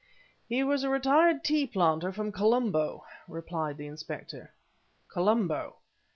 "He was a retired tea planter from Colombo," replied the inspector. "Colombo?"